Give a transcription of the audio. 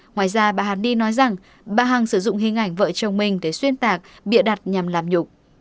ngoài ra bà hàn ni nói rằng bà hằng sử dụng hình ảnh vợ chồng mình để xuyên tạc bịa đặt nhằm làm nhục